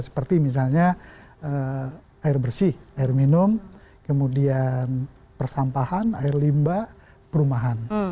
seperti misalnya air bersih air minum kemudian persampahan air limba perumahan